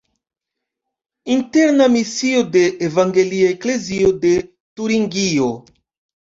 Interna misio de Evangelia eklezio de Turingio.